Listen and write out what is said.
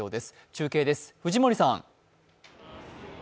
中継です、藤森さん。